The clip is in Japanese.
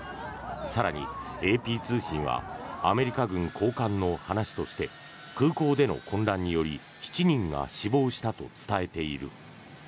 更にＡＰ通信はアメリカ軍高官の話として空港での混乱により７人が死亡したと伝えている。